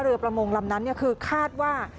ประมงลำนั้นคือคาดว่า